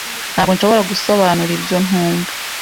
Ntabwo nshobora gusobanura ibyo ntumva.